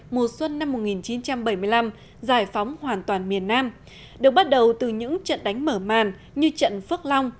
mùa xuân năm một nghìn chín trăm bảy mươi năm giải phóng hoàn toàn miền nam được bắt đầu từ những trận đánh mở màn như trận phước long